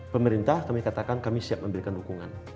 pemerintah kami katakan kami siap memberikan dukungan